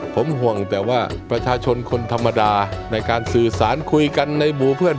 ผมห่วงแต่ว่าประชาชนคนธรรมดาในการสื่อสารคุยกันในหมู่เพื่อน